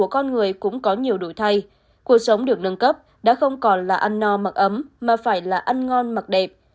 cuộc sống được nâng cấp đã không còn là ăn no mặc ấm mà phải là ăn ngon mặc đẹp